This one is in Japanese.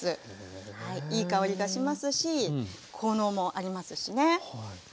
いい香りがしますし効能もありますしね。